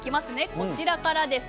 こちらからです。